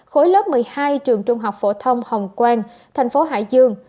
khối lớp một mươi hai trường trung học phổ thông hồng quang tp hcm